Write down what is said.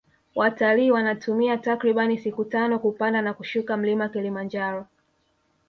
watalii wanatumia takribani siku tano kupanda na kushuka mlima kilimanjaro